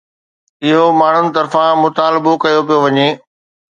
اهو ماڻهن طرفان مطالبو ڪيو پيو وڃي